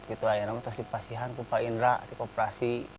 dan juga pasihanku pak indra di koperasi